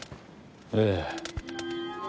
ええ。